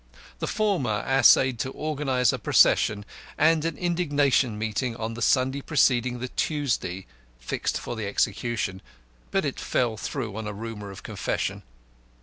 The former essayed to organise a procession and an indignation meeting on the Sunday preceding the Tuesday fixed for the execution, but it fell through on a rumour of confession.